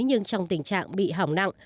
nhưng trong tình trạng bị hỏng nặng